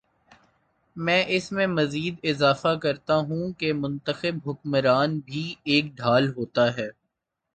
میں اس میں مزید اضافہ کرتا ہوں کہ منتخب حکمران بھی ایک ڈھال ہوتا ہے۔